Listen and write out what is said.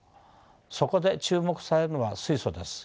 そこで注目されるのは水素です。